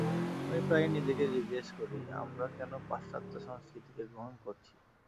আমি প্রায়ই নিজেকে জিজ্ঞেস করি, আমরা কেন পাশ্চাত্য সংস্কৃতিকে গ্রহণ করছি।